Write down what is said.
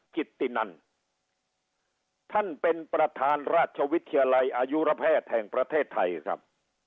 จิตตินันท่านเป็นประธานราชวิทยาลัยอายุระแพทย์แห่งประเทศไทยครับ